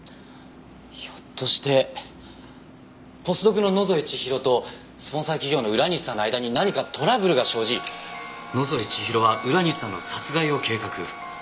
ひょっとしてポスドクの野添千尋とスポンサー企業の浦西さんの間に何かトラブルが生じ野添千尋は浦西さんの殺害を計画。